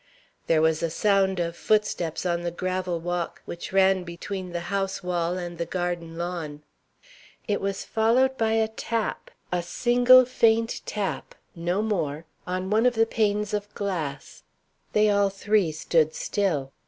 There was a sound of footsteps on the gravel walk which ran between the house wall and the garden lawn. It was followed by a tap a single faint tap, no more on one of the panes of glass. They all three stood still.